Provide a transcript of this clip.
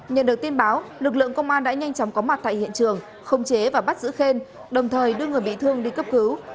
nhận được tin báo lực lượng công an đã nhanh chóng có mặt tại hiện trường không chế và bắt giữ khen đồng thời đưa người bị thương đi cấp cứu